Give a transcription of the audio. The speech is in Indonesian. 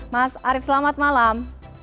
mas arief selamat malam